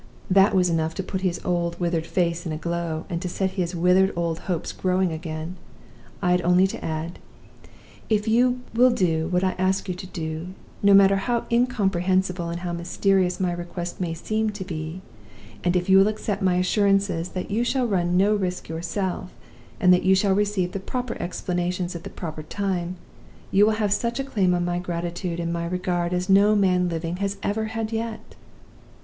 That was enough to put his withered old face in a glow, and to set his withered old hopes growing again. I had only to add, 'If you will do what I ask you to do, no matter how incomprehensible and how mysterious my request may seem to be; and if you will accept my assurances that you shall run no risk yourself, and that you shall receive the proper explanations at the proper time, you will have such a claim on my gratitude and my regard as no man living has ever had yet!